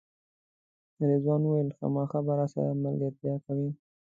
رضوان وویل خامخا به راسره ملګرتیا کوئ.